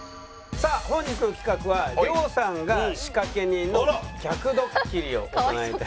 さあ本日の企画は亮さんが仕掛け人の逆ドッキリを行いたい。